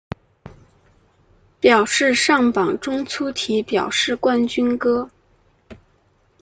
表示上榜中粗体表示冠军歌